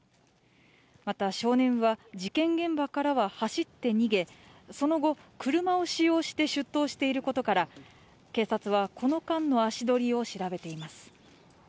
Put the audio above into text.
また、少年は事件現場からは走って逃げその後、車を使用して出頭していることから警察はこの間の足取りを調べています。